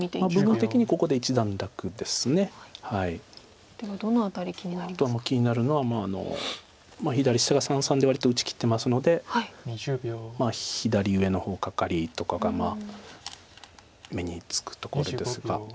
あとは気になるのは左下が三々で割と打ちきってますので左上の方カカリとかが目につくところですが。